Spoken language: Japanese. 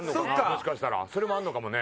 もしかしたらそれもあるのかもね。